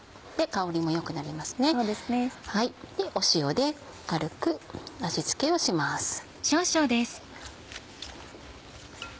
塩で軽く味付けをします。